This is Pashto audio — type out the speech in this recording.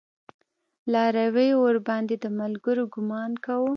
لارويو ورباندې د ملګرو ګمان کوه.